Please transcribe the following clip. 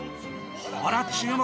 ほら注目！